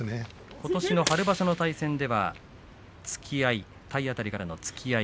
ことしの春場所の対戦では体当たりからの突き合い。